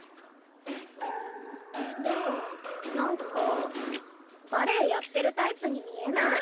でもなんかバレエやってるタイプに見えない。